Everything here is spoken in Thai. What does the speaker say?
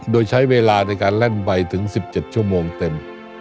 โดยใช้เวลาในการแล่นใบถึง๑๗ชั่วโมงเต็ม